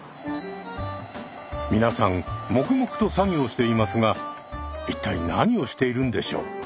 皆さん黙々と作業していますが一体何をしているんでしょう？